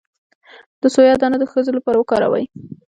د سویا دانه د ښځو لپاره وکاروئ